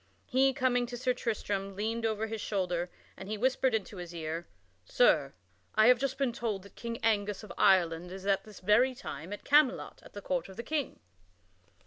He, coming to Sir Tristram, leaned over his shoulder and he whispered into his ear: "Sir, I have just been told that King Angus of Ireland is at this very time at Camelot at the court of the King."